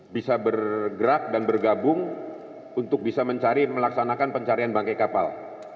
bisa bergerak dan bergabung untuk bisa mencari melaksanakan pencarian bangkai kapal